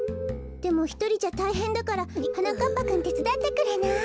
でもひとりじゃたいへんだからはなかっぱくんてつだってくれない？